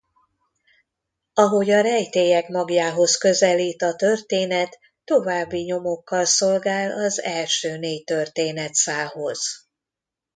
Ahogy a rejtélyek magjához közelít a történet további nyomokkal szolgál az első négy történetszálhoz.